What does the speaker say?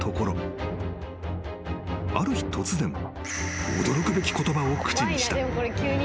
［ある日突然驚くべき言葉を口にした］